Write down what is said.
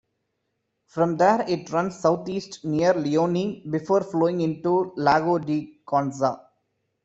From there it runs southeast near Lioni before flowing into Lago di Conza.